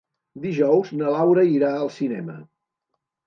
Dijous na Laura irà al cinema.